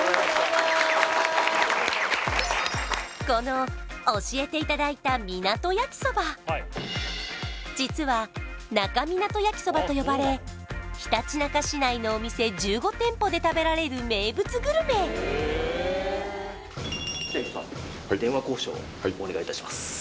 この教えていただいた湊焼きそば実は那珂湊焼きそばと呼ばれひたちなか市内のお店１５店舗で食べられる名物グルメ失礼します